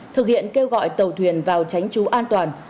thực hiện kêu gọi tàu thuyền vào tránh trú an toàn